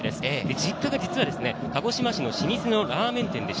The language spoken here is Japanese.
実家が実は鹿児島市の老舗のラーメン店です。